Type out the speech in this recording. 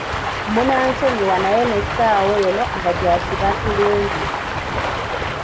Munansonyiwa naye n'essaawa eno abajaasi batulumbye.